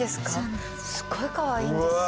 すっごいかわいいんですよ。